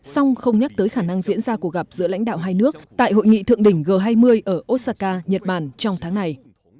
song không nhắc tới khả năng diễn ra cuộc gặp giữa lãnh đạo hai nước tại hội nghị thượng đỉnh g hai mươi ở osaka nhật bản trong tháng này